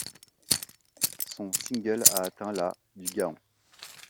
Son single a atteint la du Gaon.